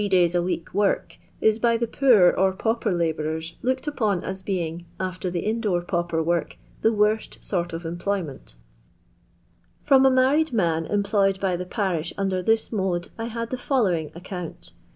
dayi A week work ii by the poor or pauper libfmren looked upon m beii^ after the in door paaper work, the worst sort of employment From a married man employed by the pariah nnder this mode, I had the following account.